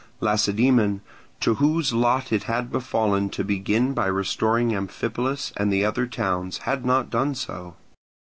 Lacedaemon, to whose lot it had fallen to begin by restoring Amphipolis and the other towns, had not done so.